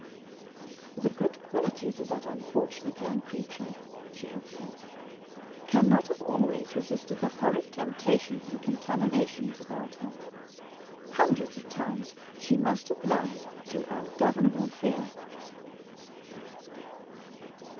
"The good qualities of that unfortunate young creature" (she had said) "can not have always resisted the horrid temptations and contaminations about her. Hundreds of times she must have lied through ungovernable fear."